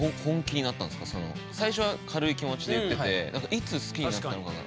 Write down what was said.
最初は軽い気持ちで言ってていつ好きになったのかな。